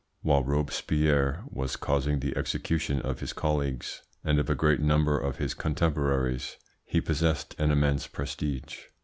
While Robespierre was causing the execution of his colleagues and of a great number of his contemporaries, he possessed an immense prestige.